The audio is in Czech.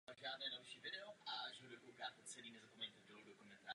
V armádě dosáhl hodnosti polního maršála a nakonec byl vrchním velitelem britského vojska.